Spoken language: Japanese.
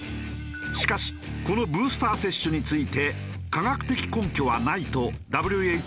しかしこのブースター接種について科学的根拠はないとＷＨＯは反対。